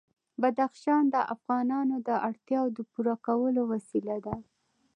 بدخشان د افغانانو د اړتیاوو د پوره کولو وسیله ده.